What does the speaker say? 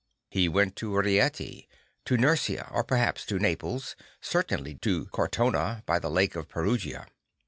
He went to Rieti, to Nursia, perhaps to Naples, certainly to Cortona by the lake of Perugia.